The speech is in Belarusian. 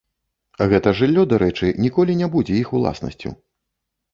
Гэта жыллё, дарэчы, ніколі не будзе іх уласнасцю.